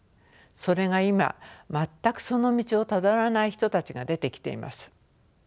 それが今全くその道をたどらない人たちが出てきています。